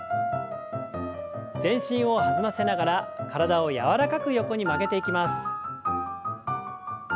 全身を弾ませながら体を柔らかく横に曲げていきます。